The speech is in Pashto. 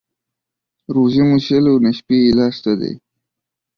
روژه مو شل او نه شپې يې لا سته دى.